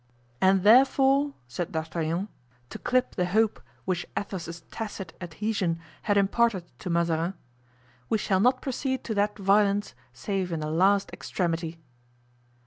"And therefore," said D'Artagnan, to clip the hope which Athos's tacit adhesion had imparted to Mazarin, "we shall not proceed to that violence save in the last extremity."